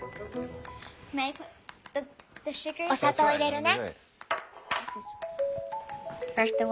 お砂糖入れるね。